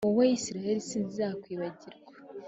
wowe israheli, sinzakwibagirwa.